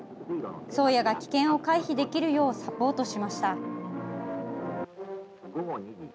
「宗谷」が危険を回避できるようサポートしました。